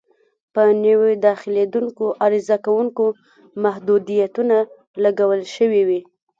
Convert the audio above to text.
په نویو داخلېدونکو عرضه کوونکو محدودیتونه لګول شوي وي.